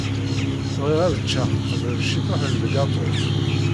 Bɣiɣ ad ččeɣ qbel ciṭuḥ n lgaṭu.